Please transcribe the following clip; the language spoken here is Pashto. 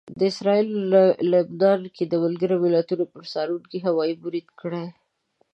اسراییلو لبنان کې د ملګرو ملتونو پر څارونکو هوايي برید کړی